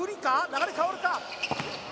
流れ変わるか？